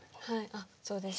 あっそうですね。